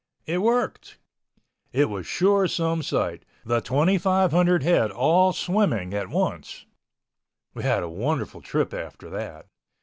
It worked. It was sure some sight, the 2,500 head all swimming at once. We had a wonderful trip after that.